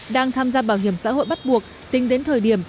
đang tham gia bảo hiểm xã hội bắt buộc tính đến thời điểm